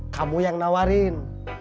kamu yang nawarin